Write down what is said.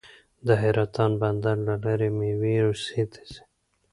د حیرتان بندر له لارې میوې روسیې ته ځي.